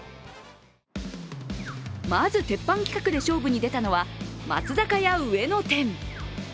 まず鉄板企画で勝負に出たのは松坂屋上野店。